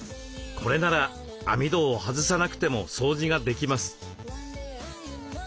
これなら網戸を外さなくても掃除ができます。